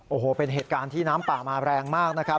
โอ้โหเป็นเหตุการณ์ที่น้ำป่ามาแรงมากนะครับ